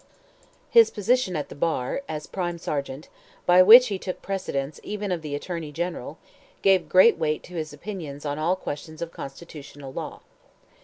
His position at the bar, as Prime Sergeant, by which he took precedence even of the Attorney General, gave great weight to his opinions on all questions of constitutional law.